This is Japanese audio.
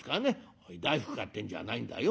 「おい大福買ってんじゃないんだよ。